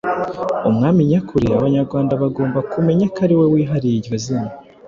Umwami nyakuri, Abanyarwanda bagombaga kumenya ko aliwe wihariye iryo zina